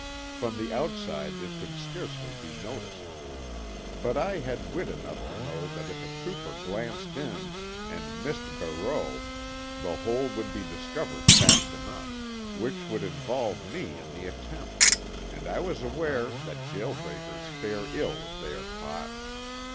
From the outside it could scarcely be noticed. But I had wit enough to know that if a trooper glanced in and missed Barreau the hole would be discovered fast enough. Which would involve me in the attempt; and I was aware that jail breakers fare ill if they are caught.